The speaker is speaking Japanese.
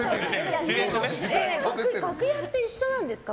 楽屋って一緒なんですか？